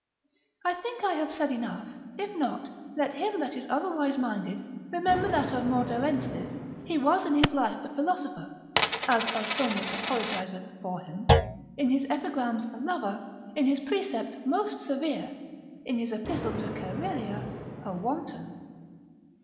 I think I have said enough; if not, let him that is otherwise minded, remember that of Maudarensis, he was in his life a philosopher (as Ausonius apologiseth for him), in his epigrams a lover, in his precepts most severe; in his epistle to Caerellia, a wanton.